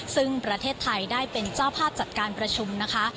ซึ่งประเทศไทยได้เป็นเจ้าภาพจัดการประชุมนะคะ